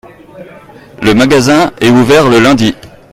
le magazin est ouvert le lundi.